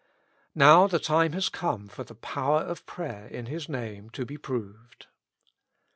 Now the time has come for the power of prayer in His Name to be proved.